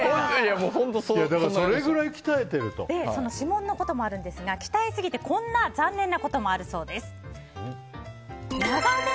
指紋のこともあるんですが鍛えすぎてこんな残念なこともあるそうです。